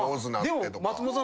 でも松本さん